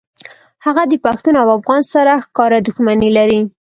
هغه د پښتون او افغان سره ښکاره دښمني لري